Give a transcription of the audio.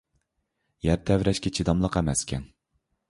يەر تەۋرەشكە چىداملىق ئەمەسكەن.